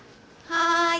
はい！